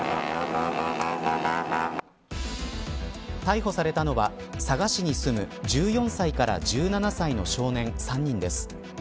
逮捕されたのは佐賀市に住む１４歳から１７歳の少年３人です。